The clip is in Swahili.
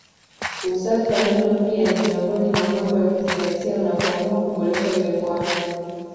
Usafi wa meno pia ni miongoni mwa mambo ya kuzingatia unapoamua kuboresha urembo wako